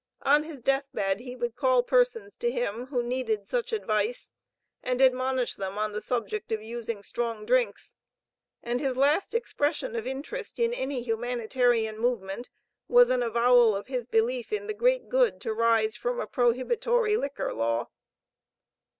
On his death bed he would call persons to him, who needed such advice, and admonish them on the subject of using strong drinks, and his last expression of interest in any humanitarian movement, was an avowal of his belief in the great good to arise from a prohibitory liquor law.